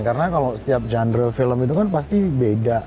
karena kalau setiap genre film itu kan pasti beda